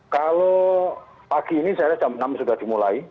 kalau pagi ini saya rasa jam enam sudah dimulai